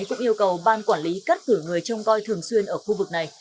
cũng yêu cầu ban quản lý cắt cử người trông coi thường xuyên ở khu vực này